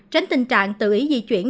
tránh tình trạng tự ý di chuyển